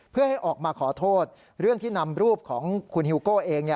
เพื่อให้ออกมาขอโทษเรื่องที่นำรูปของคุณฮิวโก้เอง